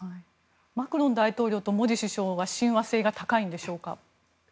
マクロン大統領とモディ首相は親和性が高いんでしょうか。